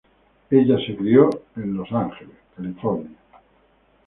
Ella se crio en Los Angeles, California.